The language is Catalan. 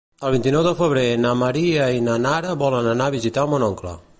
El vint-i-nou de febrer na Maria i na Nara volen anar a visitar mon oncle.